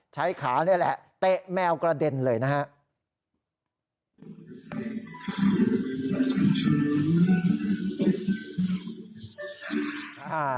ใช้ขานี่แหละเตะแมวกระเด็นเลยนะฮะ